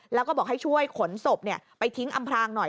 แล้วก็บอกให้ช่วยขนศพไปทิ้งอำพรางหน่อย